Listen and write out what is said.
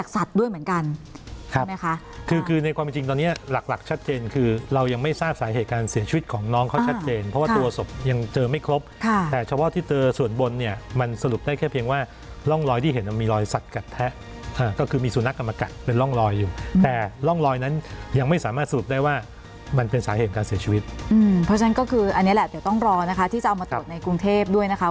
สาเหตุการณ์เสียชีวิตของน้องเขาชัดเจนเพราะว่าตัวศพยังเจอไม่ครบแต่เฉพาะที่เจอส่วนบนเนี่ยมันสรุปได้แค่เพียงว่าร่องรอยที่เห็นมีรอยสัตว์กัดแท้ก็คือมีสุนัขกันมากัดเป็นร่องรอยอยู่แต่ร่องรอยนั้นยังไม่สามารถสรุปได้ว่ามันเป็นสาเหตุการณ์เสียชีวิตเพราะฉะนั้นก็คืออันนี้แหละ